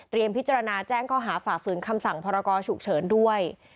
พิจารณาแจ้งข้อหาฝ่าฝืนคำสั่งพรกรฉุกเฉินด้วย